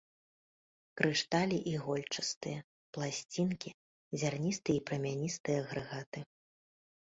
Крышталі ігольчастыя, пласцінкі, зярністыя і прамяністыя агрэгаты.